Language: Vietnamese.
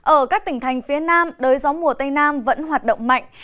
ở các tỉnh thành phía nam đới gió mùa tây nam vẫn hoạt động mạnh